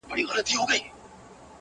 تر ساعتېري وروسته